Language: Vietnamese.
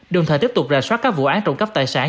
đồng thời tiếp tục rà soát các vụ án trộm cắp tài sản